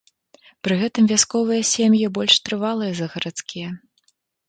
Пры гэтым вясковыя сем'і больш трывалыя за гарадскія.